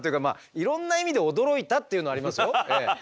いろんな意味で驚いたっていうのありますよ。